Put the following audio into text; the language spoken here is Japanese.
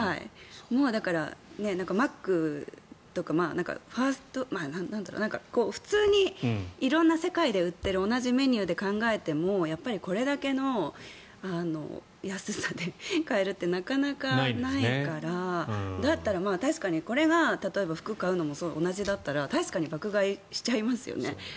だから、マックとか普通に色んな世界で売ってる同じメニューで考えてもこれだけの安さで買えるってなかなかないからだったら、確かにこれが服を買うのも同じだったら確かに爆買いしちゃいますよね。